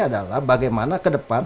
adalah bagaimana ke depan